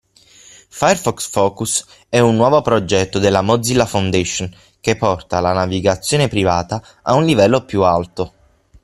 Firefox Focus è un nuovo progetto della Mozilla Foundation che porta la navigazione privata a un livello più alto.